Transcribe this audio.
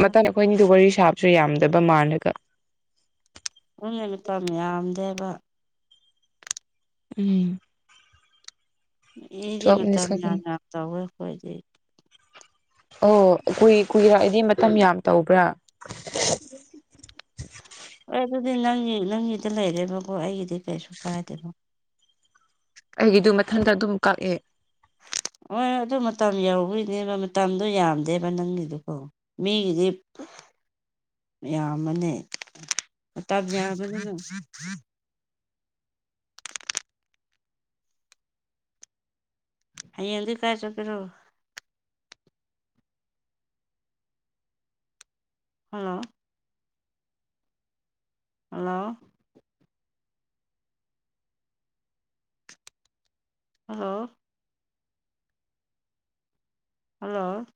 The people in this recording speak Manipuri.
ꯃꯇꯝ ꯑꯩꯈꯣꯏꯅꯤꯗꯨ ꯋꯥꯔꯤ ꯁꯥꯕꯁꯨ ꯌꯥꯝꯗꯕ ꯃꯥꯜꯂꯒ ꯑꯅ ꯅꯨꯄꯥ ꯃꯌꯥꯝꯗꯦꯕ ꯎꯝ ꯏꯗꯤ ꯇꯨꯋꯦꯜꯞ ꯃꯤꯅꯤꯠꯁ ꯃꯇꯝ ꯌꯥꯝ ꯈꯛꯇꯅꯤ ꯌꯥꯝ ꯇꯧꯋꯦ ꯑꯩꯈꯣꯏꯗꯤ ꯑꯣ ꯀꯨꯏ ꯀꯨꯏꯔꯛꯏꯗꯤ ꯃꯇꯝ ꯌꯥꯝ ꯇꯧꯕ꯭ꯔꯥ ꯍꯣꯏ ꯑꯗꯨꯗꯤ ꯅꯪꯒꯤ ꯅꯪꯒꯤꯗ ꯂꯩꯔꯦꯕꯀꯣ ꯑꯩꯒꯤꯗꯤ ꯀꯩꯁꯨ ꯀꯥꯏꯗꯦꯕꯣ ꯑꯩꯒꯤꯗꯨ ꯃꯊꯟꯇ ꯑꯗꯨꯝ ꯀꯛꯑꯦ ꯍꯣꯏ ꯑꯗꯨ ꯃꯇꯝ ꯌꯧꯗꯣꯏꯅꯦꯕ ꯃꯇꯝꯗꯣ ꯌꯥꯝꯗꯦꯕ ꯅꯪꯒꯤꯗꯨꯀꯣ ꯃꯤꯒꯤꯗꯤꯞ ꯌꯥꯝꯃꯅꯦꯞ ꯌꯥꯕꯅꯤꯅ ꯍꯌꯦꯡꯗꯤ ꯀꯥꯏꯔ ꯆꯠꯒꯦ꯭ꯔꯣ ꯍꯜꯂꯣ ꯍꯜꯂꯣ ꯍꯜꯂꯣ ꯍꯜꯂꯣ